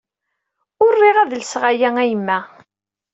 Ur riɣ ad lseɣ aya a yemma.